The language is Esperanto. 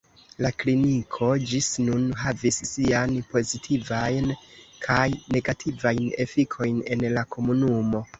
La kliniko ĝis nun havis kaj pozitivajn kaj negativajn efikojn en la komunumo.